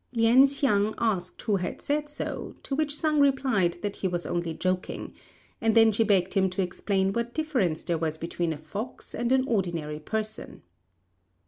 Lien hsiang asked who had said so, to which Sang replied that he was only joking; and then she begged him to explain what difference there was between a fox and an ordinary person.